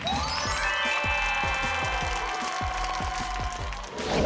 ดิวนะ